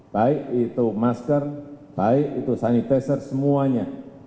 baik itu masker baik itu sanitizer semuanya